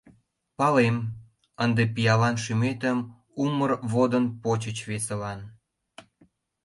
Палем, ынде пиалан шӱметым Умыр водын почыч весылан.